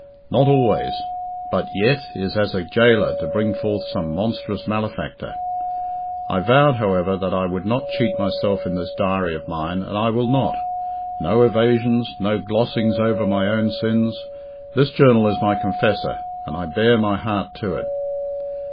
"Not always!" "But yet" is as a gaoler to bring forth some monstrous malefactor. I vowed, however, that I would not cheat myself in this diary of mine, and I will not. No evasions, no glossings over of my own sins. This journal is my confessor, and I bare my heart to it.